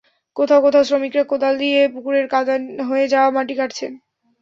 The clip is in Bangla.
কোথাও কোথাও শ্রমিকেরা কোদাল দিয়ে পুকুরের কাদা হয়ে যাওয়া মাটি কাটছেন।